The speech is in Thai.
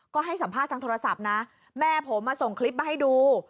ก็ให้สัมภาษณ์ทางโทรศัพท์นะแม่ผมส่งคลิปมาให้ดู